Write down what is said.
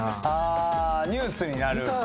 あニュースになる。